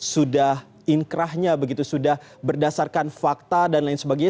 sudah inkrahnya begitu sudah berdasarkan fakta dan lain sebagainya